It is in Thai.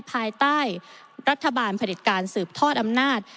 ภายใต้รัฐบาลผลิตการสืบทอดอำนาจ